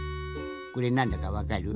これなんだかわかる？